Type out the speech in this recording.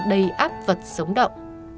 đầy áp vật sống động